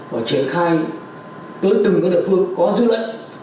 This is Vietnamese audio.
và triển khai tới từng địa phương có dữ lệnh